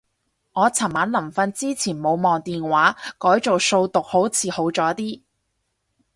我尋晚臨瞓之前冇望電話，改做數獨好似好咗啲